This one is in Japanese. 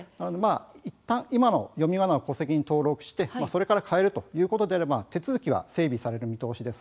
いったい今の読みがなを戸籍に登録してそれから変えるということであれば手続きは整備される見通しです。